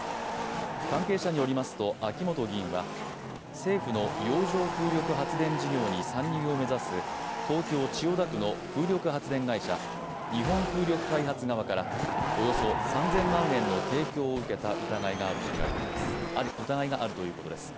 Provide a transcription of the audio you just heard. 関係者によりますと、秋本議員は政府の洋上風力発電事業に参入を目指す東京・千代田区の風力発電会社、日本風力開発側からおよそ３０００万円の提供を受けた疑いがあるということです。